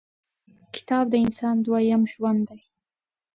• کتاب، د انسان دویم ژوند دی.